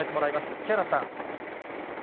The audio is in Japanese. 木原さん。